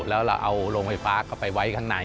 แล้วเราเอาโรงไฟฟ้าเข้าไปไว้ข้างใน